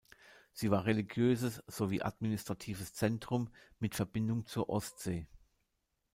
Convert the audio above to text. Sie war religiöses sowie administratives Zentrum mit Verbindung zur Ostsee.